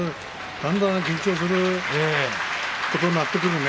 だんだん緊張することになってくるね。